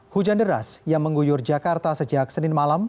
hujan deras yang mengguyur jakarta sejak senin malam